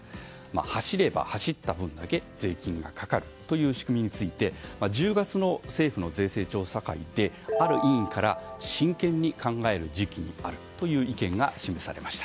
走れば走った分だけ税金がかかるという仕組みについて１０月の政府の税制調査会である委員から真剣に考える時期にあるという意見が示されました。